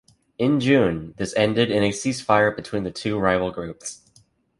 In June, this ended in a ceasefire between the two rival groups.